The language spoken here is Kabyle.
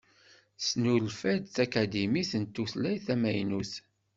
Tesnulfa-d tkadimit tutlayt tamaynut.